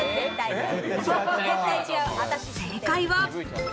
正解は。